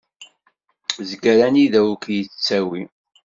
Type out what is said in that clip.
Zger anida ur k-yettawi.